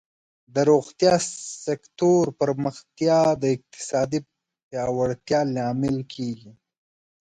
د روغتیا سکتور پراختیا د اقتصادی پیاوړتیا لامل کیږي.